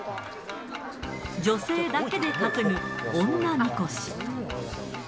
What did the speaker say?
女性だけで担ぐ女神輿。